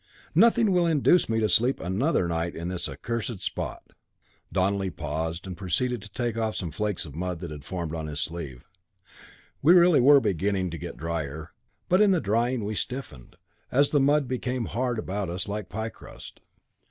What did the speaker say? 'Nothing will induce me to sleep another night on this accursed spot.'" Donelly paused, and proceeded to take off some flakes of mud that had formed on his sleeve. We really were beginning to get drier, but in drying we stiffened, as the mud became hard about us like pie crust.